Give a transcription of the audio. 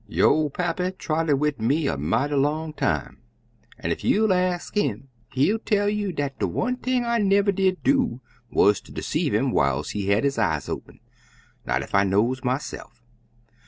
Yo' pappy trotted wid me a mighty long time, an' ef you'll ax him he'll tell you dat de one thing I never did do wuz ter deceive him whiles he had his eyes open; not ef I knows myse'f.